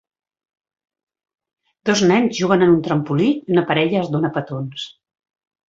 Dos nens juguen en un trampolí i una parella es dona petons.